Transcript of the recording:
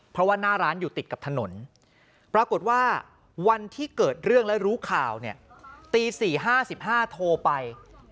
เพราะว่าหน้าร้านอยู่ติดกับถนนปรากฏว่าวันที่เกิดเรื่องและรู้ข่าวเนี่ยตี๔๕๕โทรไป